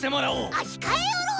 あひかえおろう！